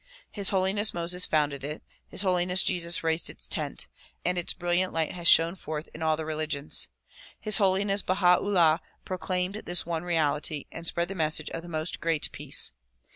His Holiness Moses founded it. His Holiness Jesus raised its tent, and its brilliant light has shone forth in all the religions. His Holiness Baiia 'Ullaii proclaimed this one reality and spread the message of the "Most Great Peace."